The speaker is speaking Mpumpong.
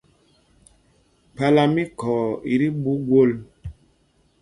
Kpālā mí Khɔɔ í tí ɓuu gwol.